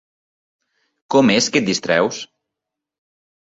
Com es que et distreus?